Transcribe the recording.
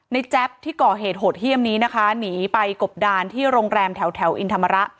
แจ๊บที่ก่อเหตุโหดเยี่ยมนี้นะคะหนีไปกบดานที่โรงแรมแถวแถวอินธรรมระ